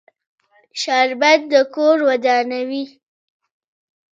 شربت د کور ودانوي